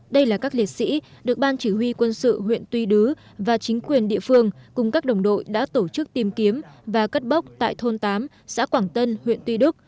đây là các liệt sĩ được ban chỉ huy quân sự huyện tuy đứ và chính quyền địa phương cùng các đồng đội đã tổ chức tìm kiếm và cất bốc tại thôn tám xã quảng tân huyện tuy đức